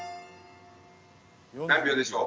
何秒でしょう？